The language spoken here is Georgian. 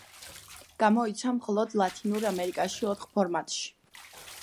გამოიცა მხოლოდ ლათინურ ამერიკაში ოთხ ფორმატში.